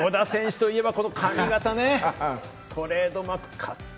小田選手といえばこの髪形ね、トレードマーク。